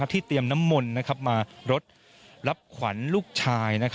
ที่เตรียมน้ำมนต์มารดรับขวัญลูกชาย